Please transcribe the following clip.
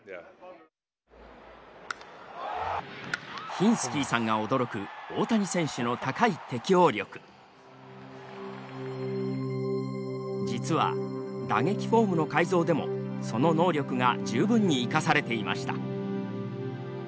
ヒンスキーさんが驚く大谷選手の実は打撃フォームの改造でもその能力が十分に生かされていました。